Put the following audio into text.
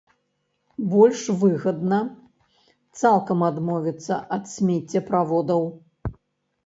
Больш выгадна цалкам адмовіцца ад смеццеправодаў.